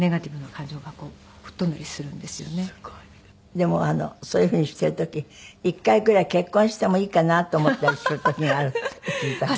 でもそういうふうにしている時一回ぐらい結婚してもいいかなと思ったりする時があるって聞いたけど。